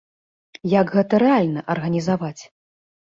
Як гэта рэальна арганізаваць?